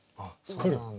来る。